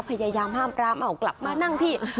พยายามห้ามปรามเอากลับมานั่งที่